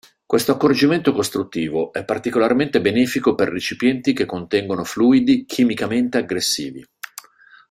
Questo accorgimento costruttivo è particolarmente benefico per recipienti che contengono fluidi chimicamente aggressivi.